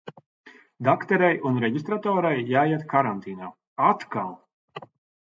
Dakterei un reģistratorei jāiet karantīnā. Atkal!